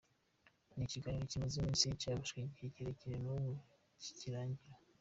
Ni ikiganiro kimaze iminsi, cyafashe igihe kirekire n’ubu ntikirarangira.